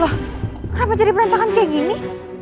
loh kenapa jadi perantakan kayak gini